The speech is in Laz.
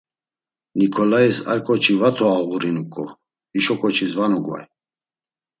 Nikolayis, ar ǩoçi va to ağurinuǩo, hişo ǩoçis va numgvay.